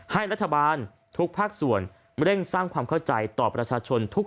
ให้รัฐบาลทุกภาคส่วนเร่งสร้างความเข้าใจต่อประชาชนทุก